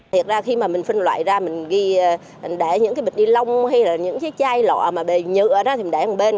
thật ra khi mà mình phân loại ra mình ghi để những cái bịch ni lông hay là những cái chai lọ mà bị nhựa đó thì mình để một bên